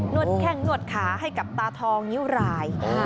วดแข้งนวดขาให้กับตาทองนิ้วราย